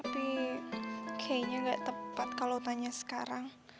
tapi kayaknya nggak tepat kalau tanya sekarang